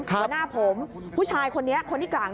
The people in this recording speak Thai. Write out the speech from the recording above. หัวหน้าผมผู้ชายคนนี้คนที่กลาง